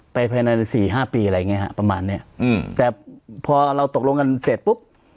ภายในสี่ห้าปีอะไรอย่างเงี้ฮะประมาณเนี้ยอืมแต่พอเราตกลงกันเสร็จปุ๊บ